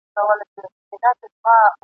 چي پر شرع او قانون ده برابره ..